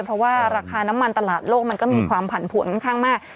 เพราะว่าราคาน้ำมันตลาดโลกมันก็มีความผันผวนค่อนข้างมาก